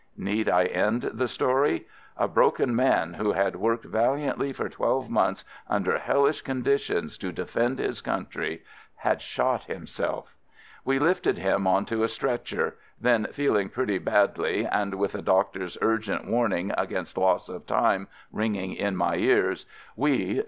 Need I end the story? A broken man, who had worked valiantly for twelve months under hellish condi tions to defend his country — had shot himself. We lifted him on to a stretcher — then, feeling pretty badly, and with the doctor's urgent warning against loss of time ringing in my ears, we, "No.